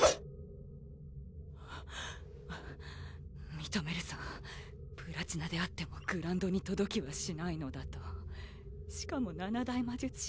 認めるさプラチナであってもグランドに届きはしないのだとしかも七大魔術師